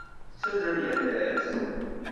Tettazzal yal ass?